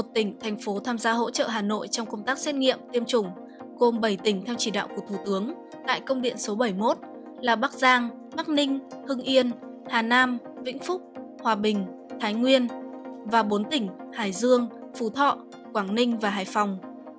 một mươi tỉnh thành phố tham gia hỗ trợ hà nội trong công tác xét nghiệm tiêm chủng gồm bảy tỉnh theo chỉ đạo của thủ tướng tại công điện số bảy mươi một là bắc giang bắc ninh hưng yên hà nam vĩnh phúc hòa bình thái nguyên và bốn tỉnh hải dương phú thọ quảng ninh và hải phòng